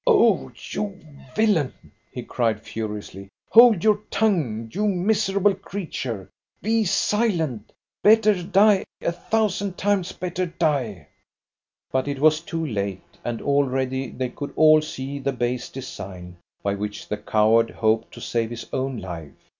"Oh, you villain!" he cried furiously. "Hold your tongue, you miserable creature! Be silent! Better die a thousand times better die!" But it was too late, and already they could all see the base design by which the coward hoped to save his own life.